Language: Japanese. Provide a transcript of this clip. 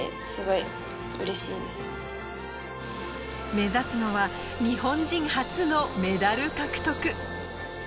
目指すのは日本人初のメダル獲得。